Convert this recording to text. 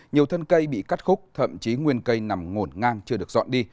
nhiều thân cây bị cắt khúc thậm chí nguyên cây nằm ngổn ngang chưa được dọn đi